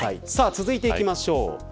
続いていきましょう。